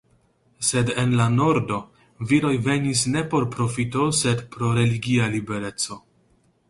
Sed en la nordo, viroj venis ne por profito sed pro religia libereco.